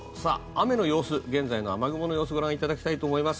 雨の様子、現在の雨雲の様子ご覧いただきたいと思います。